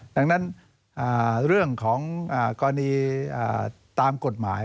ดังนั้นเรื่องของกรณีตามกฎหมาย